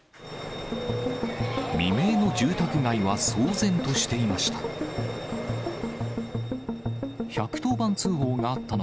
未明の住宅街は騒然としていました。